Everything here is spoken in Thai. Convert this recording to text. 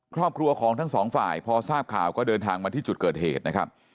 ครอบครัวของทั้งสองฝ่ายพอทราบข่าวก็เดินทางมาที่จุดเกิดเหตุนะครับ